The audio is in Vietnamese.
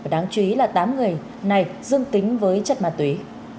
đáng chú ý là tám người này dương tính với chất ma túy